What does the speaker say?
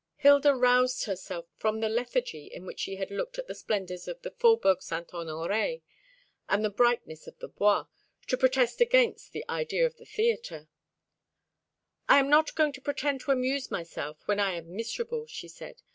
Hilda roused herself from the lethargy in which she had looked at the splendours of the Faubourg Saint Honoré, and the brightness of the Bois, to protest against the idea of the theatre. "I am not going to pretend to amuse myself when I am miserable," she said.